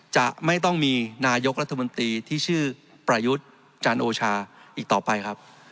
จะต้องมีนายกรัฐมนตรีที่ชื่อประยุทธ์จันโอชาอีกต่อไปครับ